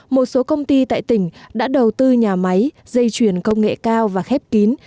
một số công ty tại tỉnh đã đầu tư nhà máy dây chuyển công nghệ cao và khép kín